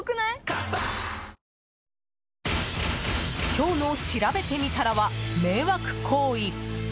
今日のしらべてみたらは迷惑行為。